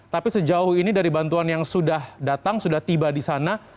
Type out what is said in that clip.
tapi sejauh ini dari bantuan yang sudah datang sudah tiba di sana